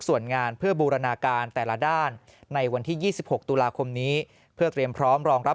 ส่วนงานเพื่อบูรณาการแต่ละด้านในวันที่๒๖ตุลาคมนี้เพื่อเตรียมพร้อมรองรับ